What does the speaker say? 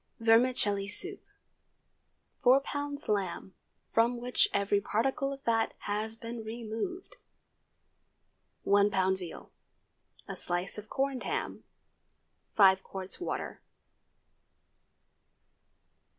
VERMICELLI SOUP. ✠ 4 lbs. lamb, from which every particle of fat has been removed. 1 lb. veal. A slice of corned ham. 5 qts. water.